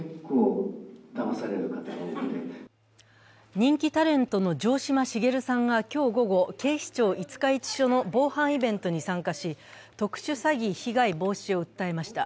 人気タレントの城島茂さんが今日午後、警視庁五日市署の防犯イベントに参加し、特殊詐欺被害防止を訴えました。